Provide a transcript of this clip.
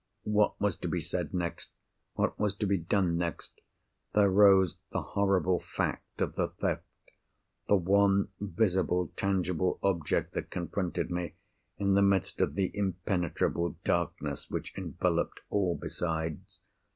What was to be said next? what was to be done next? There rose the horrible fact of the Theft—the one visible, tangible object that confronted me, in the midst of the impenetrable darkness which enveloped all besides!